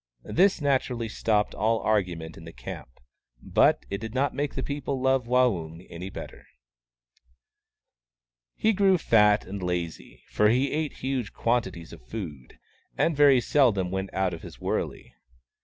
This naturally stopped all argument in the camp, but it did not make the people love Waung any better. WAUNG, THE CROW 6i He grew very fat and lazy, for he ate huge quan tities of food, and very seldom went out of his wur ley.